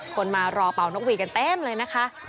คนมารอเป่านกหวีกันเต็มเลยนะคะ